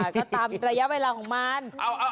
ก็ตามระยะเวลาของมัน